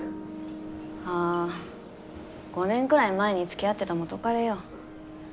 ああ５年くらい前に付き合ってた元カレよ。